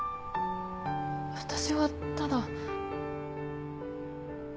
私はただ。